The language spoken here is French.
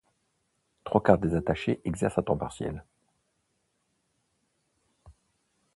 Trois quarts des attachés exercent à temps partiel.